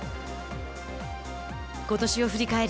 ことしを振り返り